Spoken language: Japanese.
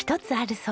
そう。